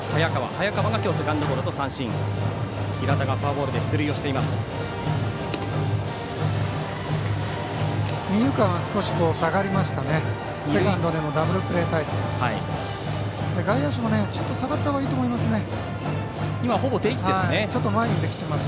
平田がフォアボールで出塁しています。